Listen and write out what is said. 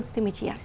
xin mời chị ạ